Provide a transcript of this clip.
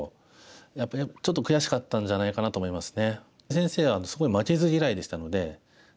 やっぱりちょっと悔しかったんじゃないかなと思いますね。